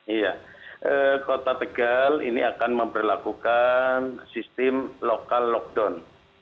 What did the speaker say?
iya kota tegal ini akan memperlakukan sistem lokal lockdown